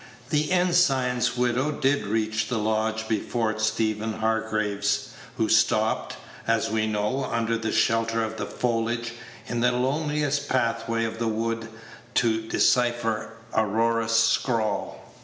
The ensign's widow did reach the lodge before Stephen Hargraves, who stopped, as we know, under shelter of the foliage in the loneliest pathway of the wood to decipher Aurora's scrawl.